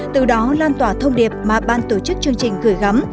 từ đó lan tỏa thông điệp mà ban tổ chức chương trình gửi gắm